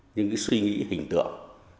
những cái suy nghĩ hình tượng